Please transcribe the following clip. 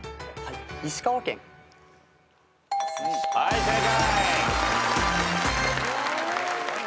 はい正解。